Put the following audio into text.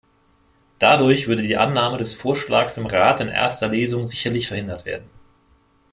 Dadurch würde die Annahme des Vorschlags im Rat in erster Lesung sicherlich verhindert werden.